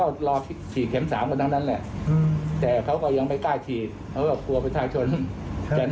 แล้วไปฉีดเข็ม๓มันเหมือนว่าบางคนเขายังไม่ได้ฉีดสักเข็มหนึ่ง